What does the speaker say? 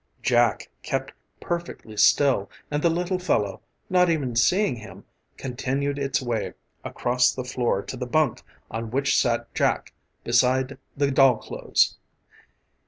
Jack kept perfectly still and the little fellow, not even seeing him, continued its way across the floor to the bunk on which sat Jack beside the doll clothes.